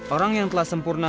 orang yang telah sempurna